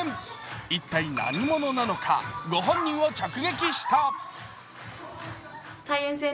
一体、何者なのか、ご本人を直撃した。